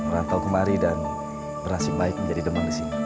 rantau kemari dan berhasil baik menjadi demam di sini